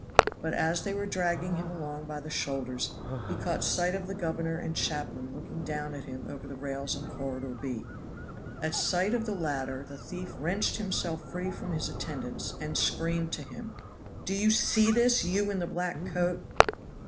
But as they were dragging him along by the shoulders he caught sight of the governor and chaplain looking down at him over the rails of Corridor B. At sight of the latter the thief wrenched himself free from his attendants, and screamed to him: "Do you see this, you in the black coat?